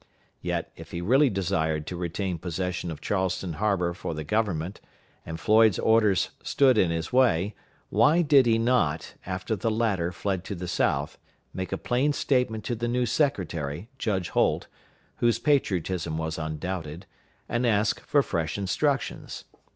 Yet, if he really desired to retain possession of Charleston harbor for the Government, and Floyd's orders stood in his way, why did he not, after the latter fled to the South, make a plain statement to the new secretary, Judge Holt, whose patriotism was undoubted, and ask for fresh instructions?